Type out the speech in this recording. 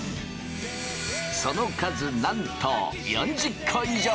その数なんと４０個以上！